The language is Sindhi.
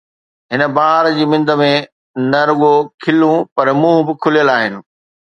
هن بهار جي مند ۾، نه رڳو کلون، پر منهن به کليل آهن.